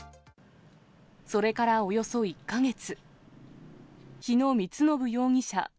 それからおよそ１か月、日野允信容疑者